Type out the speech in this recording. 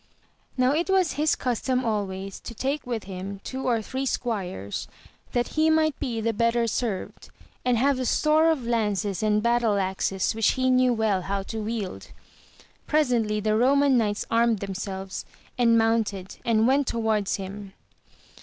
Now it was his custom always to take with him two or three squires that he might be the better served, and have store of lances and battle axes, which he knew well how to wield. Presently the Koman knights armed themselves, and mounted and went towards him.